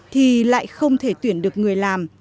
thì lại không thể tuyển được người làm